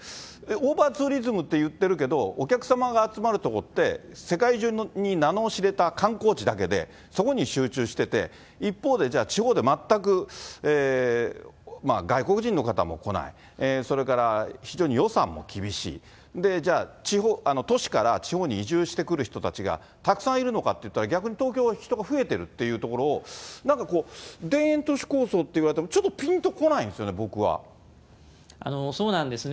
オーバーツーリズムっていってるけど、お客様が集まるとこって、世界中に名の知れた観光地だけで、そこに集中してて、一方で、じゃあ、地方で全く、外国人の方も来ない、それから非常に予算も厳しい、じゃあ、都市から地方に移住してくる人たちがたくさんいるのかっていったら、逆に東京は人が増えてるっていうところを、なんかこう、田園都市構想っていわれても、ちょっとピンとこないんですよね、そうなんですね。